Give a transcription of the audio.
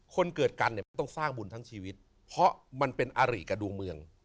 คนเกิดกันเนี่ยมันต้องสร้างบุญทั้งชีวิตเพราะมันเป็นอาริกับดวงเมือง